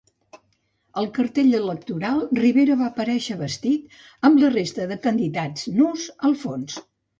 Al cartell electoral, Rivera va aparèixer vestit, amb la resta de candidats nus al fons.